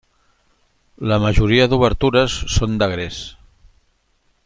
La majoria d'obertures són de gres.